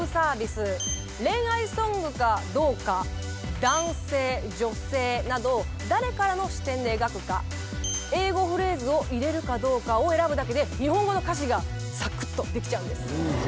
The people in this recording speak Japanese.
恋愛ソングかどうか男性女性など誰からの視点で描くか英語フレーズを入れるかどうかを選ぶだけで日本語の歌詞がさくっとできちゃうんです。